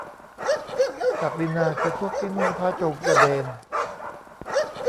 ศักดินาคือพวกที่นุ่งผ้าโจงกระเบน ?